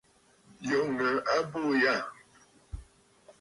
Yòŋə abuu yâ.